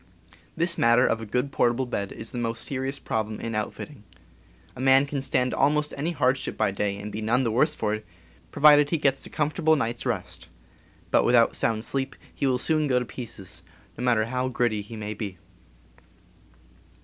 This matter of a good portable bed is the most seri ous problem in outfitting. A man can stand almost any hardship by day, and be none the worse for it, pro vided he gets a comfortable night's rest; but without sound sleep he will soon go to pieces, no matter how gritty he may be.